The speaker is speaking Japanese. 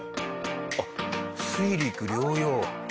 あっ水陸両用？